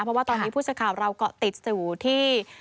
เพราะว่าตอนนี้พูดสักข่าวเราก็ติดอยู่ที่